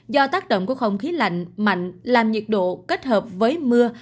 do tác động của không khí lạnh mạnh làm nhiệt độ kết hợp với mưa